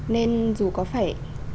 nên dù có phải